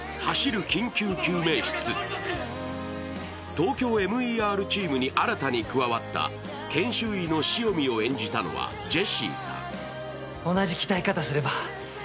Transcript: ＴＯＫＹＯＭＥＲチームに新たに加わった研修医の潮見を演じたのはジェシーさん。